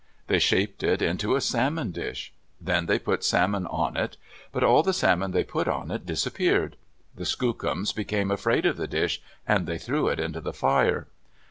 They shaped it into a salmon dish. Then they put salmon on it. But all the salmon they put on it disappeared. The skookums became afraid of the dish, and they threw it into the fire.